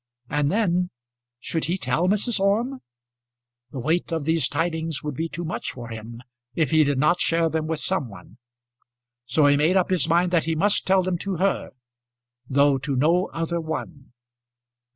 And then, should he tell Mrs. Orme? The weight of these tidings would be too much for him, if he did not share them with some one. So he made up his mind that he must tell them to her though to no other one.